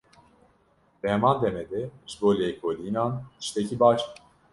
Di heman demê de ji bo lêkolînan tiştekî baş e.